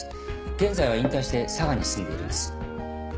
現在は引退して佐賀に住んでいるんです。